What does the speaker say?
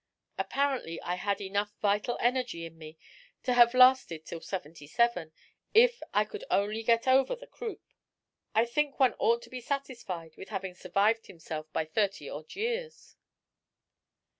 Apparently I had enough vital energy in me to have lasted till seventy seven, if I could only get over the croup. I think one ought to be satisfied with having survived himself by thirty odd years."